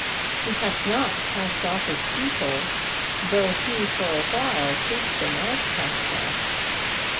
He hath not cast off his people, though he for awhile treats them as caet'Offs.